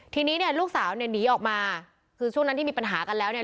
ทีนี้เนี่ยลูกสาวเนี่ยหนีออกมาคือช่วงนั้นที่มีปัญหากันแล้วเนี่ย